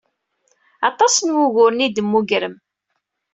Aṭas n wuguren i d-temmugrem.